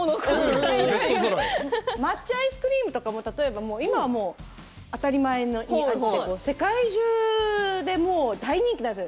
抹茶アイスクリームとか今は当たり前にありますけれど世界中で大人気なんですよ。